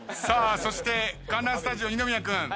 さあそして観覧スタジオ二宮君。